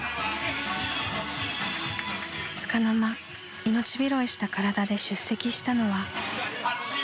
［つかの間命拾いした体で出席したのは］